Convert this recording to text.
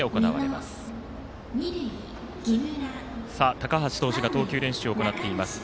高橋投手が投球練習を行っています。